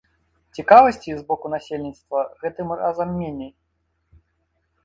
Цікавасці з боку насельніцтва гэтым разам меней.